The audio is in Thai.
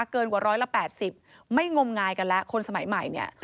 เกินกว่า๑๘๐ไม่งมงายกันแล้วคนสมัยใหม่เนี่ย